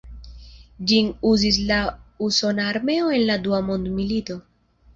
Ĝin uzis la usona armeo en la dua mondmilito.